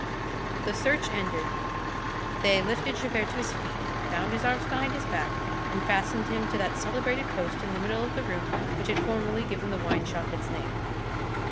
The search ended, they lifted Javert to his feet, bound his arms behind his back, and fastened him to that celebrated post in the middle of the room which had formerly given the wine shop its name.